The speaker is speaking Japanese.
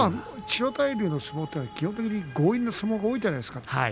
千代大龍の相撲は基本的に強引な相撲多いですね